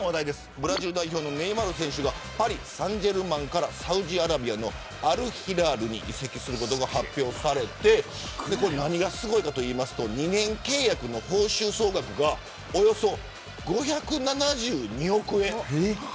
ブラジル代表のネイマール選手がパリ・サンジェルマンからサウジアラビアのアルヒラルに移籍することが発表されて何がすごいかと言いますと２年契約の報酬総額がおよそ５７２億円。